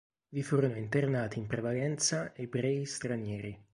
Vi furono internati in prevalenza ebrei stranieri.